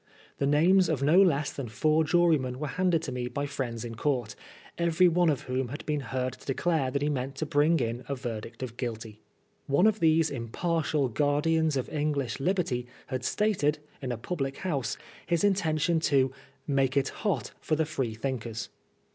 The names of no less than four jurymen were handed to me by friends in court, every one of whom had been heard to declare that he meant to bring in a verdict of Guilty. One of these impartial guardians of English liberty had stated, in a public house, his intention to " make it hot for tiie Free thinkers."